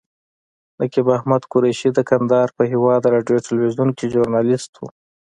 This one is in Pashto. نقیب احمد قریشي د کندهار په هیواد راډیو تلویزیون کې ژورنالیست و.